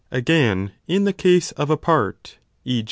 Again, in the case of a part, e.